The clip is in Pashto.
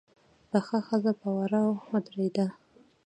پخه ښځه په وره ودرېده.